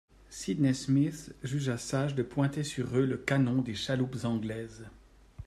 Sydney Smith jugea sage de pointer sur eux le canon des chaloupes anglaises.